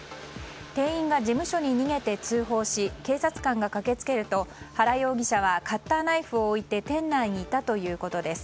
店員が事務所に逃げて通報し警察官が駆けつけると原容疑者はカッターナイフを置いて店内にいたということです。